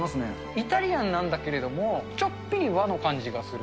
イタリアンなんだけれども、ちょっぴり和の感じがする。